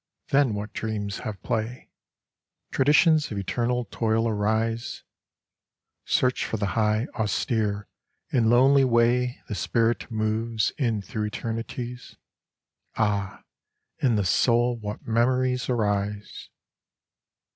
Then what dreams have play ! Traditions of eternal toil arise, Search for the high, austere and lonely way The Spirit moves in through eternities. Ah, in the soul what memories arise